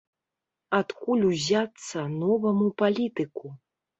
Адкуль узяцца новаму палітыку?